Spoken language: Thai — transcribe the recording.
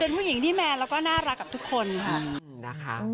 เป็นผู้หญิงที่แมนแล้วก็น่ารักกับทุกคนค่ะนะคะ